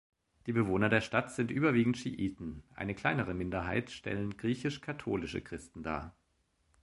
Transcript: Die Bewohner der Stadt sind überwiegend Schiiten, eine kleinere Minderheit stellen griechisch-katholische Christen dar.